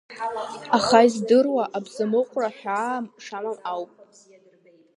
Аха издыруа, абзамыҟәра ҳәаа шамам ауп.